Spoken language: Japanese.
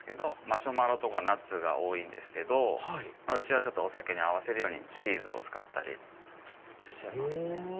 マシュマロとかナッツが多いんですけどうちはお酒に合わせるようにチーズを使ったりしてますね。